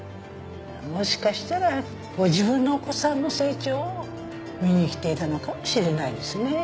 もしかしたらご自分のお子さんの成長を見に来ていたのかもしれないですね。